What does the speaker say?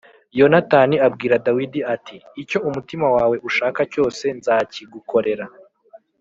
Yonatani abwira Dawidi ati “Icyo umutima wawe ushaka cyose nzakigukorera.”